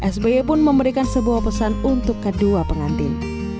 sby pun memberikan sebuah pesan untuk kedua pengantin